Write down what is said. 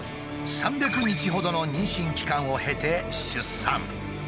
３００日ほどの妊娠期間を経て出産。